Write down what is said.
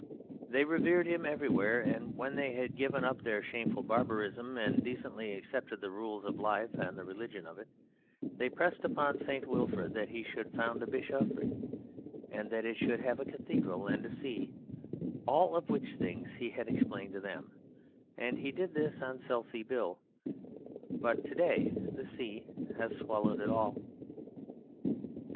They revered him everywhere, and when they had given up their shameful barbarism and decently accepted the rules of life and the religion of it, they pressed upon St. Wilfrid that he should found a bishopric, and that it should have a cathedral and a see (all of which things he had explained to them), and he did this on Selsey Bill: but to day the sea has swallowed all.